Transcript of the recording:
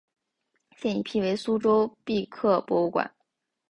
现已辟为苏州碑刻博物馆。